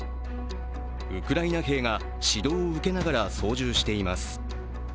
ウクライナ兵が指導を受けながら操縦しています。